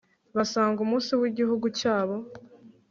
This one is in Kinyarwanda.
Basanga umunsi wigihugu cyabo